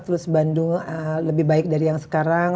terus bandung lebih baik dari yang sekarang